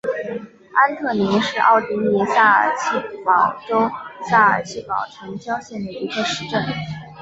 安特灵是奥地利萨尔茨堡州萨尔茨堡城郊县的一个市镇。